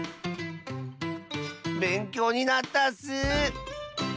べんきょうになったッス！